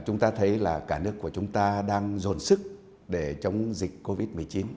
nhà nước của chúng ta đang dồn sức để chống dịch covid một mươi chín